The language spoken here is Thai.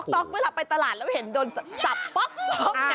ต๊อกเมื่อไปตลาดแล้วเห็นโดนสับป๊อกนี่